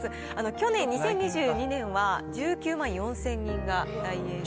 去年２０２２年は１９万４０００人が来園したと。